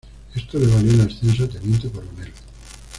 Esto le valió el ascenso a teniente coronel.